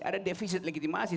ada defisit legitimasi